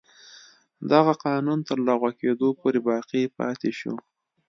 دغه قانون تر لغوه کېدو پورې باقي پاتې شو.